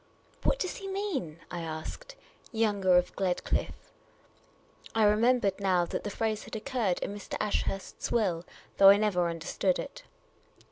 " What does he mean ?" I asked. " Younger of Gled cliffe ?" I remembered now that the phrase had occurred in Mr. Ashurst's will, though I never understood it.